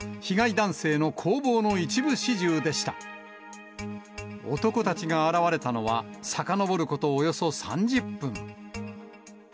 男たちが現れたのはさかのぼることおよそ３０分。